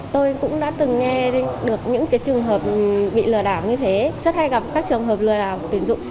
tôi cũng đã từng nghe được những trường hợp bị lừa đảo như thế rất hay gặp các trường hợp lừa đảo tuyển dụng